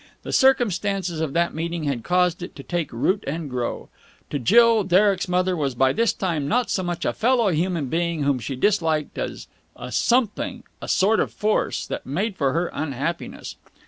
The circumstances of that meeting had caused it to take root and grow. To Jill, Derek's mother was by this time not so much a fellow human being whom she disliked as a something, a sort of force, that made for her unhappiness.